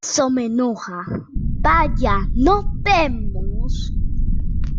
eso me enoja... ¡ vaya, nos vemos! ...